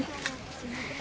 すいません。